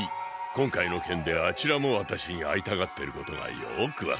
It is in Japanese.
今回の件であちらも私に会いたがってることがよく分かった。